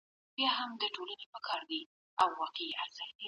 مليتونه د تيرو څو لسیزو جګړو قربانیان دي. نږدې